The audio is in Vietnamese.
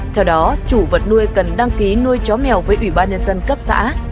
theo đó chủ vật nuôi cần đăng ký nuôi chó mèo với ủy ban nhân dân cấp xã